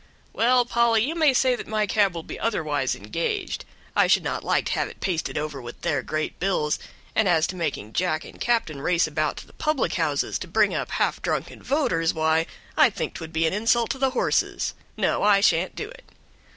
"Well, Polly, you may say that my cab will be otherwise engaged. I should not like to have it pasted over with their great bills, and as to making Jack and Captain race about to the public houses to bring up half drunken voters, why, I think 'twould be an insult to the horses. No, I shan't do it."